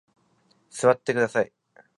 座ってください。